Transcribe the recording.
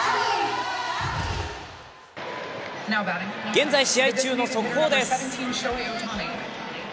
現在、試合中の速報です。